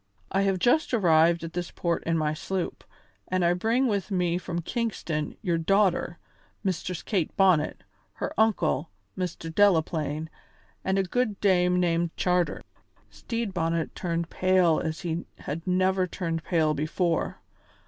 I have just arrived at this port in my sloop, and I bring with me from Kingston your daughter, Mistress Kate Bonnet, her uncle, Mr. Delaplaine, and a good dame named Charter." Stede Bonnet turned pale as he had never turned pale before.